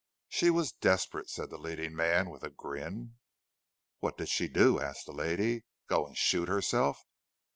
"She was desperate," said the leading man, with a grin. "What did she do?" asked the lady "Go and shoot herself?"